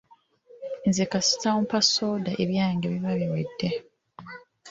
Nze kasita ompa soda ebyange biba biwedde.